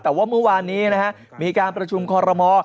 แต่ว่าเมื่อวานนี้นะฮะมีการประชุมคอรมอ